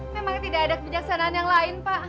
memang tidak ada kebijaksanaan yang lain pak